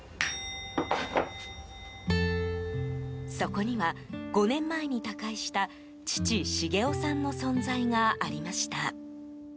そこには、５年前に他界した父・重雄さんの存在がありました。